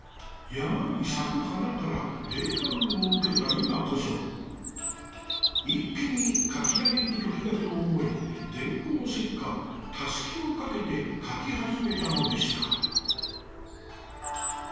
「山に咲く花から霊感をうけた今こそ、一気に描きあげるときだと思い、電光石火、たすきをかけて描き始めたのでした」。